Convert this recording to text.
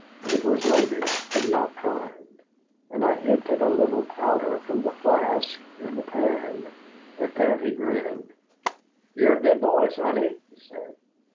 It was loaded, but not primed, and I emptied a little powder from the flask in the pan. At that he grinned. "You're a good boy, sonny," he said.